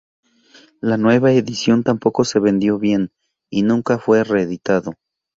La nueva edición tampoco se vendió bien y nunca fue reeditado.